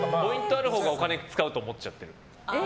あるほうがお金使うと思っちゃう。